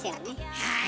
はい。